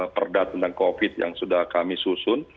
perda tentang covid yang sudah kami susun